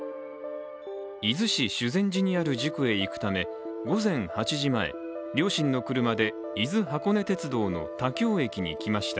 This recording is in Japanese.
伊豆市修善寺にある塾に行くため午前８時前、両親の車で伊豆箱根鉄道の田京駅に来ました。